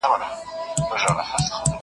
زه به سبا اوبه پاک کړم!